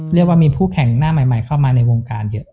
เรียกว่ามีผู้แข่งหน้าใหม่เข้ามาในวงการเยอะ